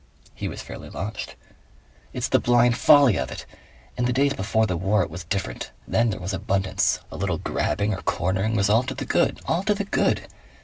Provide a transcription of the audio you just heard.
He was fairly launched. "It's the blind folly of it! In the days before the war it was different. Then there was abundance. A little grabbing or cornering was all to the good. All to the good.